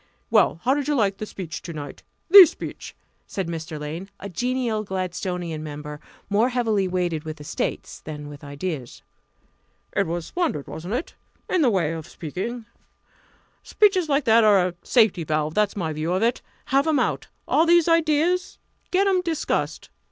"Well, how did you like the speech to night the speech?" said Mr. Lane, a genial Gladstonian member, more heavily weighted with estates than with ideas. "It was splendid, wasn't it? in the way of speaking. Speeches like that are a safety valve that's my view of it. Have 'em out all these ideas get 'em discussed!"